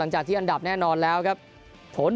หลังจากที่อันดับแน่นอนแล้วก็โถ๑